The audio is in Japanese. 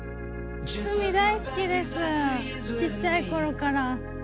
海大好きです、ちっちゃいころから。